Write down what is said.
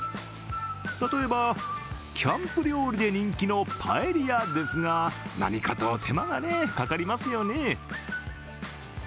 例えばキャンプ料理で人気のパエリアですがなにかと手間がかかりますよね。